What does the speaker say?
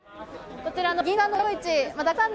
こちらの「銀座の男」